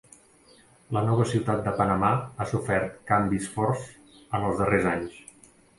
La nova ciutat de Panamà ha sofert canvis forts en els darrers anys.